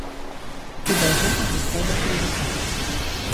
І да гэтага трэба прывыкаць.